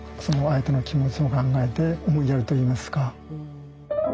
その相手の気持ちを考えて思いやるといいますか。